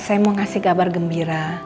saya mau kasih kabar gembira